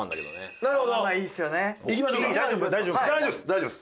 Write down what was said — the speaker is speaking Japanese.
大丈夫？